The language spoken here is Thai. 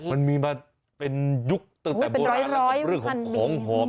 มันมีมาเป็นยุคตั้งแต่โบราณแล้วกับเรื่องของของหอม